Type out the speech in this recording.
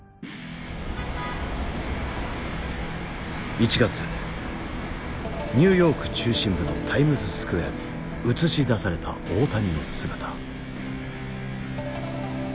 １月ニューヨーク中心部のタイムズスクエアに映し出された大谷の姿。